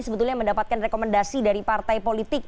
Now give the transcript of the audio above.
sebetulnya mendapatkan rekomendasi dari partai politik